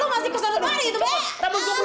masih mampek kan